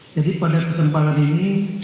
jadi pada kesempatan ini